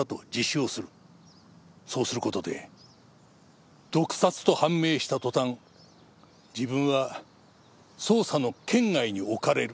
そうする事で毒殺と判明した途端自分は捜査の圏外に置かれるというものだった。